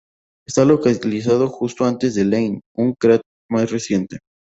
Está localizado justo al este de Lane, un cráter más reciente.